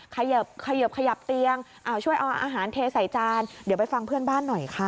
เขยิบขยับเตียงช่วยเอาอาหารเทใส่จานเดี๋ยวไปฟังเพื่อนบ้านหน่อยค่ะ